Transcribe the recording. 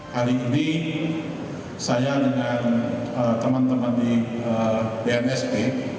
hari ini saya dengan teman teman di bnsp